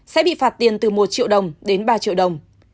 sẽ bị phạt tiền từ một triệu đồng đến ba triệu đồng